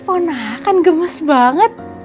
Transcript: keponakan gemes banget